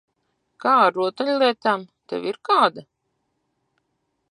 Kā ar rotaļlietām? Tev ir kāda?